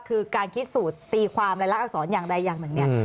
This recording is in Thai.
คือการคิดสูตรตีความรายละอักษรอย่างใดอย่างหนึ่งเนี่ย